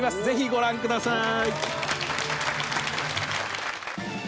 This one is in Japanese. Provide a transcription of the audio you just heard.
ぜひ、ご覧ください。